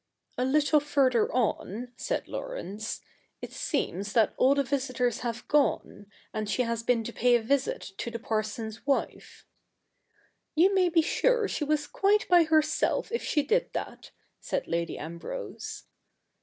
' A little further on,' said Laurence, ' it seems that all the visitors have gone ; and she has been to pay a visit to the parson's wife.' ' You may be sure she was quite by herself if she did that,' said Lady Ambrose.